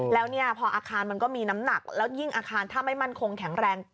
แล้วเนี่ยพออาคารมันก็มีน้ำหนักแล้วยิ่งอาคารถ้าไม่มั่นคงแข็งแรง